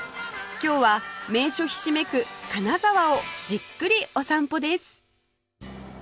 今日は名所ひしめく金沢をじっくりお散歩です